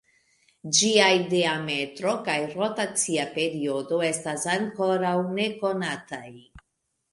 Ĝiaj diametro kaj rotacia periodo estas ankoraŭ nekonataj.